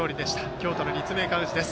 京都の立命館宇治です。